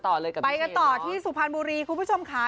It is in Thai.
ใช่ค่ะไปกันต่อที่สุพันธ์บุรีคุณผู้ชมค่ะ